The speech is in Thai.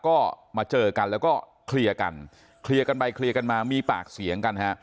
ก็มาเจอกันแล้วก็เคลียร์กันเคลียร์กันไปเคลียร์กันมามีปากเสียงกันฮะ